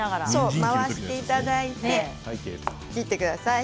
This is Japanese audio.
回していただいて切ってください。